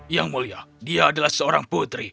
yang mulia dia adalah seorang putri